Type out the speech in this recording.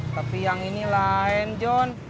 tapi yang ini lain john